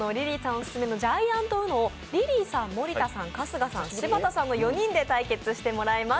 オススメのジャイアントウノをリリーさん、森田さん、春日さん、柴田さんの４人で対決していただきます。